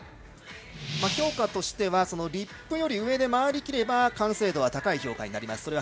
評価としてはリップより上で回りきれば完成度は高い評価になります。